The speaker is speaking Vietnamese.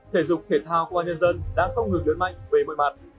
thể dục thể thao công an nhân dân đã không ngừng lớn mạnh về mọi mặt